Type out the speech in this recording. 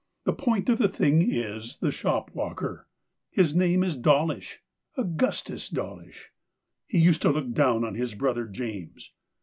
The point of the thing is the shopwalker. His name is Dawlish — Augustus Dawlish. He used to look down on his brother James.